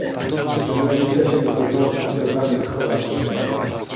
Neměl by se však zvrhnout v útok na svrchovanost.